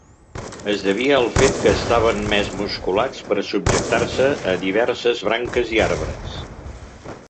Es devia al fet que estaven més musculats per subjectar-se a diverses branques i arbres.